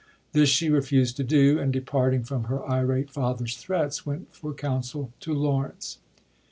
This she refused to do, and departing from her irate father's threats, went for counsel to Laurencb.